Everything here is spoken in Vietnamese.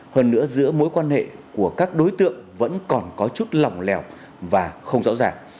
hơn nữa giữa mối quan hệ của các đối tượng vẫn còn có chút lòng lẻo và không rõ ràng